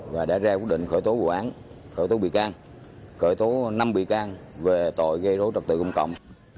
và đã ra quyết định khởi tố vụ án khởi tố bị can khởi tố năm bị can về tội gây rối trật tự công cộng